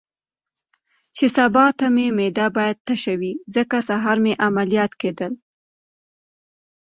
چې سبا ته مې معده باید تشه وي، ځکه سهار مې عملیات کېدل.